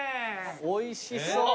おいしそう。